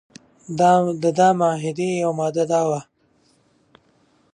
دا د معاهدې یوه ماده وه.